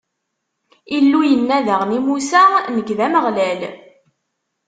Illu yenna daɣen i Musa: Nekk, d Ameɣlal.